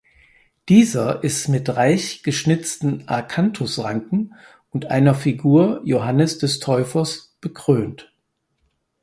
Dieser ist mit reich geschnitzten Akanthusranken und einer Figur Johannes des Täufers bekrönt.